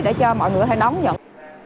để cho mọi người có thể đóng nhận